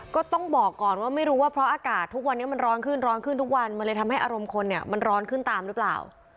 ก็ต้องบอกก่อนว่าไม่รู้ว่าเพราะอากาศทุกวันนี้มันร้อนขึ้นร้อนขึ้นทุกวันมันเลยทำให้อารมณ์คนเนี่ยมันร้อนขึ้นตามหรือเปล่า